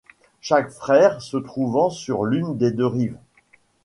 Chaque frère se trouvant sur l'une des deux rives.